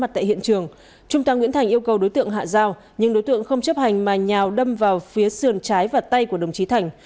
trung tá nguyễn thành yêu cầu đối tượng hạ dao nhưng đối tượng không chấp hành mà nhào đâm vào phía sườn trái và tay của đồng chí thành